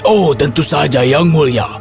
oh tentu saja yang mulia